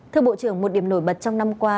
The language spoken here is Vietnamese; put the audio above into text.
thưa bộ trưởng một điểm nổi bật trong năm qua